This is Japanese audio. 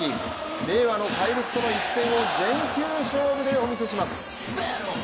令和の怪物との１戦を全球勝負でお見せします。